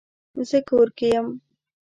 زه کور کې یم